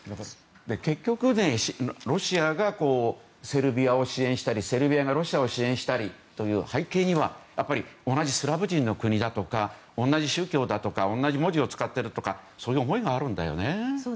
結局ロシアがセルビアを支援したりセルビアがロシアを支援する背景には同じスラブ人の国だとか同じ宗教だとか同じ文字を使っているとかそういう思いがあるんだよね。